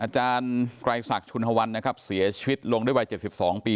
ลูกชายคนเดียวของพลเอกชาติชายชุนฮวันอดีตน้ำมนตรีได้เสียชีวิตลงด้วยวัย๗๒ปี